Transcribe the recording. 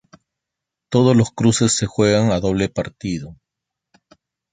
Todos los cruces se jugaron a doble partido.